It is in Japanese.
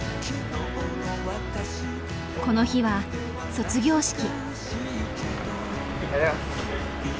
この日は卒業式。